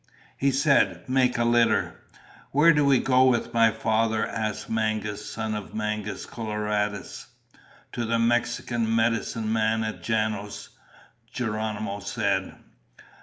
He said, "Make a litter." "Where do we go with my father?" asked Mangas, son of Mangus Coloradus. "To the Mexican medicine man at Janos," Geronimo said.